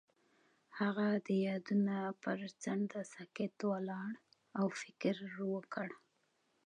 هغه د یادونه پر څنډه ساکت ولاړ او فکر وکړ.